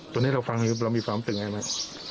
ตอนนี้เราฟังเรามีความตื่นไงแม่